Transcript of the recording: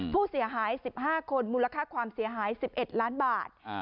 ผู้เสียหาย๑๕คนมูลค่าความเสียหาย๑๑ล้านบาท